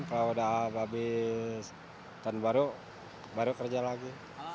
kalau udah habis tahun baru baru kerja lagi